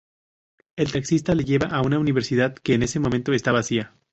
El taxista le lleva a una universidad que en ese momento está vacía.